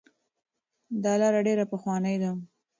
دا لاره ډیره پخوانۍ ده.